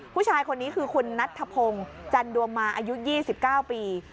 ผู้ชายคนนี้คือคุณนัทธพงศ์จันดวงมาอายุ๒๙ปี